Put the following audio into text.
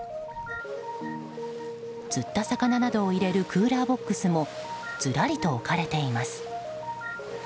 釣った魚などを入れるクーラーボックスもずらりと置かれています。